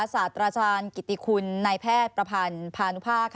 ศาสตราจารย์กิติคุณนายแพทย์ประพันธ์พานุภาค